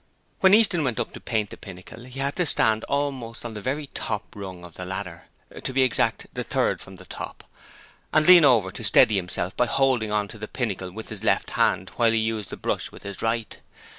When Easton went up to paint the pinnacle he had to stand on almost the very top rung of the ladder, to be exact, the third from the top, and lean over to steady himself by holding on to the pinnacle with his left hand while he used the brush with his right.